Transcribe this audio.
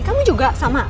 kamu juga sama